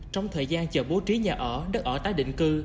trong thời gian chờ bố trí nhà ở đất ở tái định cư